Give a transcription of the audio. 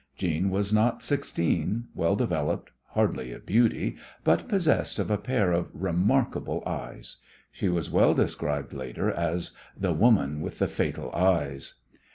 Jeanne was not sixteen, well developed, hardly a beauty, but possessed of a pair of remarkable eyes. She was well described later as "The woman with the fatal eyes."